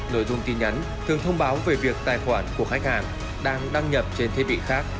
nội dung tin nhắn thường thông báo về việc tài khoản của khách hàng đang đăng nhập trên thiết bị khác